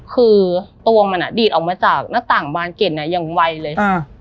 คือตัวมันดีดออกมาจากหน้าต่างบานเก็ตอย่างไวเลย